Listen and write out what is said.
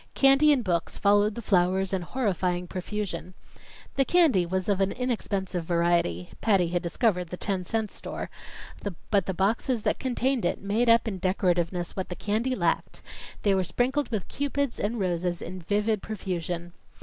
Candy and books followed the flowers in horrifying profusion. The candy was of an inexpensive variety Patty had discovered the ten cent store but the boxes that contained it made up in decorativeness what the candy lacked; they were sprinkled with Cupids and roses in vivid profusion.